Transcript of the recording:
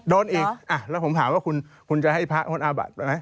โดนอีกแล้วผมถามว่าคุณจะให้พระคุณอาบัติไหม